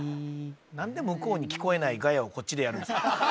何で向こうに聞こえないガヤをこっちでやるんですか